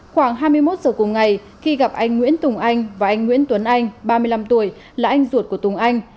khoảng hai mươi một giờ cùng ngày khi gặp anh nguyễn tùng anh và anh nguyễn tuấn anh ba mươi năm tuổi là anh ruột của tùng anh